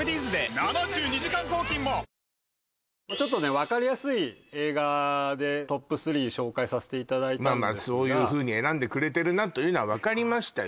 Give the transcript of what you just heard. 分かりやすい映画でトップ３紹介さしていただいたんですがそういうふうに選んでくれてるなというのは分かりましたよ